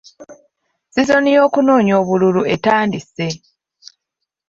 Sizoni y'okunoonya obululu etandise.